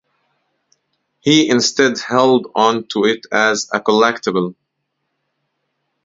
He instead held on to it as a collectible.